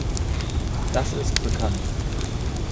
Das ist bekannt.